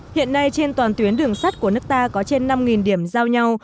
hiện nay trên toàn tuyến đường sắt của nước ta có trên năm điểm giao nhau